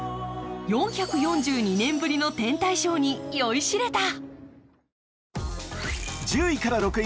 ４４２年ぶりの天体ショーに酔いしれた。